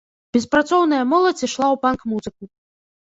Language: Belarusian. Беспрацоўная моладзь ішла ў панк-музыку.